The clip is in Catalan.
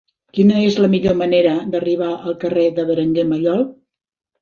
Quina és la millor manera d'arribar al carrer de Berenguer Mallol?